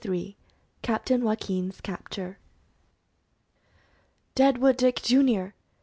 CAPTAIN JOAQUIN'S CAPTURE. "Deadwood Dick, Junior!"